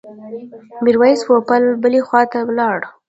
میرویس پوپل بلې خواته ولاړ.